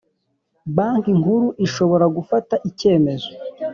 Banki Nkuru ishobora gufata icyemezo